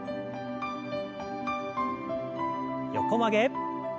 横曲げ。